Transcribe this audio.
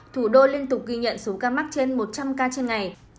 thủ đô liên tục ghi nhận số ca mắc trên một trăm linh ca trên ngày